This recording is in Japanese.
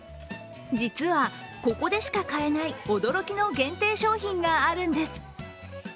実は、ここでしか買えない驚きの限定商品があるんです。